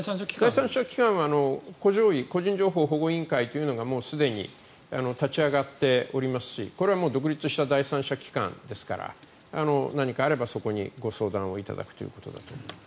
第三者機関は個人情報保護委員会というのがもうすでに立ち上がっておりますしこれは独立した第三者機関ですから何かあればそこにご相談いただくということだと思います。